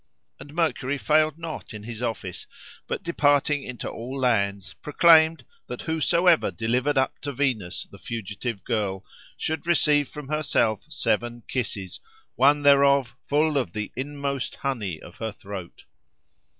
And Mercury failed not in his office; but departing into all lands, proclaimed that whosoever delivered up to Venus the fugitive girl, should receive from herself seven kisses—one thereof full of the inmost honey of her throat.